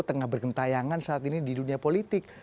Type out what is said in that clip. tengah bergentayangan saat ini di dunia politik